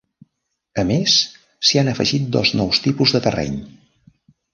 A més, s'hi han afegit dos nous tipus de terreny.